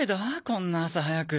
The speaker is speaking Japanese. こんな朝早く。